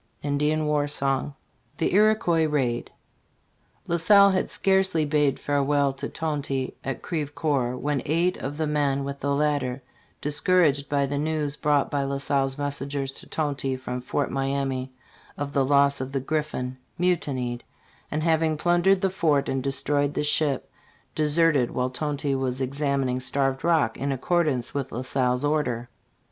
* Indian War S THE IROyUOIS RAID, LA SALLE had scarcely bade farewell to Tonty at Crevecreur when eight of the men with the latter, discouraged by the news brought by La Salle's messengers to Tonty from Fort Miamis, of the loss of the Griffin, mutinied, and having plundered the fort and destroyed the ship, deserted while Tonty was examining Starved Rock in accordance with La Salle's order.